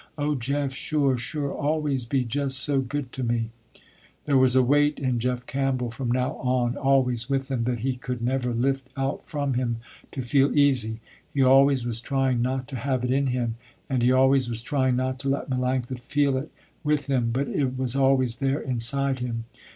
Oh, Jeff, sure, sure, always be just so good to me" There was a weight in Jeff Campbell from now on, always with him, that he could never lift out from him, to feel easy. He always was trying not to have it in him and he always was trying not to let Melanctha feel it, with him, but it was always there inside him.